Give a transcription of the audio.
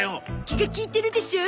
気が利いてるでしょ？